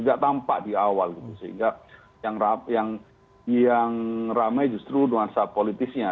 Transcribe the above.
tidak tampak di awal gitu sehingga yang ramai justru nuansa politisnya